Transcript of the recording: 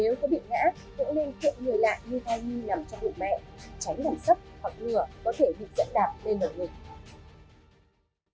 nếu có bị ngã cũng nên chụp người lại như thay như nằm trong bụi mẹ tránh làm sốc hoặc ngựa có thể bị dẫn đạp lên ở mình